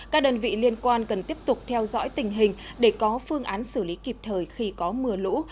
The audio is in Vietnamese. các đơn vị liên quan cần tiếp tục theo dõi tình hình để có phương án xử lý kịp thời khi có mưa lũ